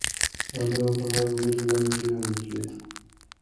دا لاره تر هغې بلې لارې ډېره نږدې ده.